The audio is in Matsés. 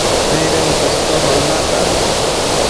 nëidën cushtoshon nata